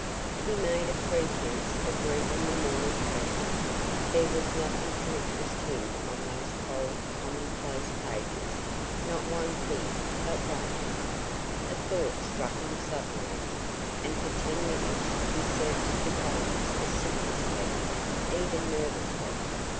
He made a pretence of reading the morning paper. There was nothing to interest him on' those cold, commonplace pages, not one thing but wait! A thought struck him suddenly, and for ten minutes he searched the columns assiduously, even nervously.